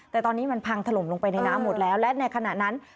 แต่ตอนนี้มันพังถล่มลงไปในน้ำหมดแล้วและในขณะนั้น